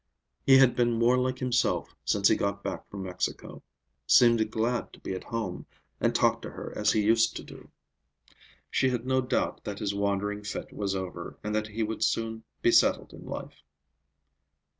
He had been more like himself since he got back from Mexico; seemed glad to be at home, and talked to her as he used to do. She had no doubt that his wandering fit was over, and that he would soon be settled in life.